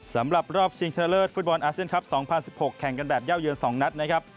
สำหรับรอบชิงเซนเตอร์เลิศฟุตบอลอาเซียนครับ